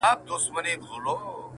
• چي مو ګران افغانستان هنرستان سي..